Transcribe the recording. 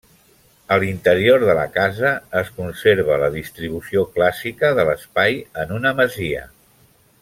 A l'interior de la casa es conserva la distribució clàssica de l'espai en una masia.